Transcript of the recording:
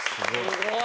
「すごい！」